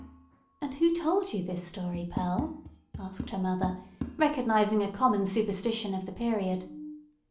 "And who told you this story, Pearl," asked her mother, recognising a common superstition of the period.